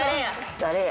誰や？